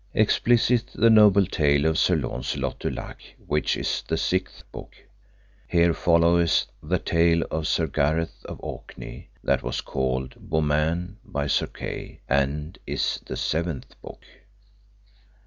Explicit the noble tale of Sir Launcelot du Lake, which is the vi. book. Here followeth the tale of Sir Gareth of Orkney that was called Beaumains by Sir Kay, and is the seventh book.